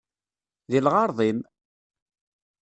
Deg lɣeṛḍ-im!